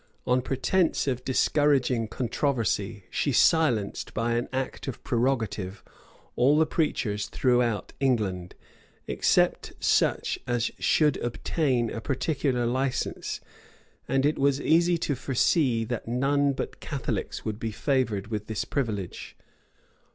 On pretence of discouraging controversy, she silenced, by an act of prerogative, all the preachers throughout England, except such as should obtain a particular license; and it was easy to foresee, that none but Catholics would be favored with this privilege.